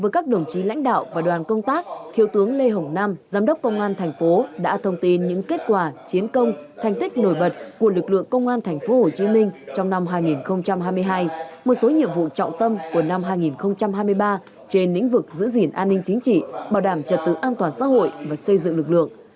các công an thành phố đã thông tin những kết quả chiến công thành tích nổi bật của lực lượng công an thành phố hồ chí minh trong năm hai nghìn hai mươi hai một số nhiệm vụ trọng tâm của năm hai nghìn hai mươi ba trên lĩnh vực giữ gìn an ninh chính trị bảo đảm trật tự an toàn xã hội và xây dựng lực lượng